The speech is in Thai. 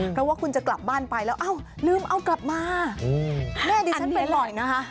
เพราะว่าคุณจะกลับบ้านไปแล้วเอ้าลืมเอากลับมาแม่ดิฉันไปปล่อยนะคะ